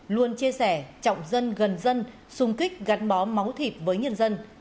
luôn chia sẻ trọng dân gần dân xung kích gắn bó máu thịt với nhân dân